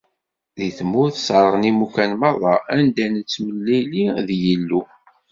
Di tmurt, sserɣen imukan merra anda i nettemlili d Yillu.